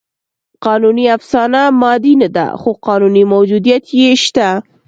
قانوني افسانه مادي نهده؛ خو قانوني موجودیت یې شته.